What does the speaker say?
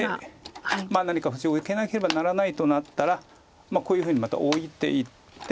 何かオシを受けなければならないとなったらこういうふうにまたオイていって。